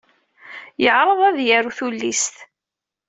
Yeɛreḍ ad d-yaru tullist.